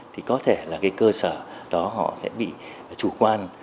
thì có thể là cái cơ sở đó họ sẽ bị chủ quan